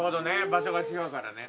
場所が違うからね。